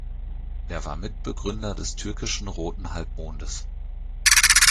Er war Mitbegründer des Türkischen Roten Halbmondes.